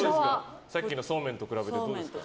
さっきのそうめんと比べてどうですか。